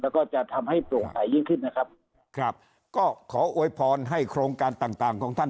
แล้วก็จะทำให้โปร่งใสยิ่งขึ้นนะครับครับก็ขออวยพรให้โครงการต่างต่างของท่าน